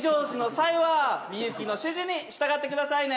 際はみゆきの指示に従ってくださいね